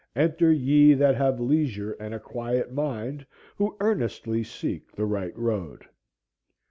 Enter ye that have leisure and a quiet mind, who earnestly seek the right road."